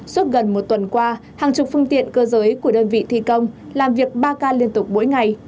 suốt gần một tuần qua hàng chục phương tiện cơ giới của đơn vị thi công làm việc ba k liên tục mỗi ngày